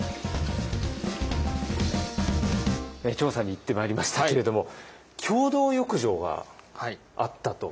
調査に行ってまいりましたけれども共同浴場があったと。